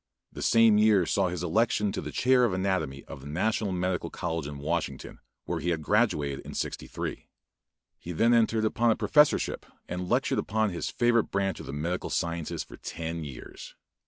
The same year saw his election to the chair of anatomy of the National Medical College in Washington, where he had graduated in '63. He then entered upon a professorship and lectured upon his favorite branch of the medical sciences for ten years.